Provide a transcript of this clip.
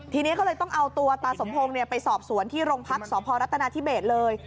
ทีนี้ก็เลยต้องเอาตัวตาสมพงศ์ไปสอบสวนที่โรงพักษพรัฐนาธิเบสเลย